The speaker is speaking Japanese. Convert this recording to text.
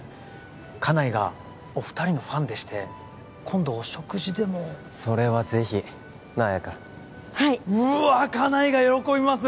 家内がお二人のファンでして今度お食事でもそれはぜひなあ綾華はいうわ家内が喜びます